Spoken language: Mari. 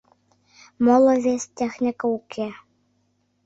Моло вес технике уке.